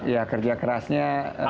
ya kerja kerasnya